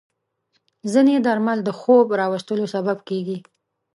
ځینې درمل د خوب راوستلو سبب کېږي.